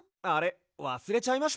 わすれちゃいました？